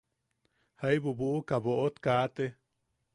Jaibu buʼuka boʼot kaate.